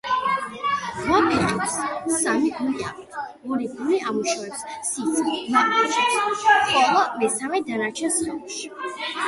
რვაფეხებს სამი გული აქვთ: ორი გული ამუშავებს სისხლს ლაყუჩებში, ხოლო მესამე – დანარჩენ სხეულში